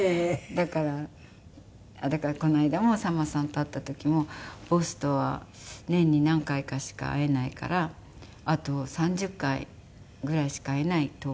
だからだからこの間もさんまさんと会った時もボスとは年に何回かしか会えないからあと３０回ぐらいしか会えないと思うって言って。